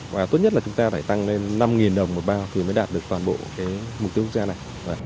và tốt nhất là chúng ta phải tăng lên năm đồng một bao thì mới đạt được toàn bộ cái mục tiêu quốc gia này